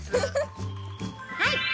はい。